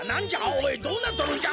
おいどうなっとるんじゃ？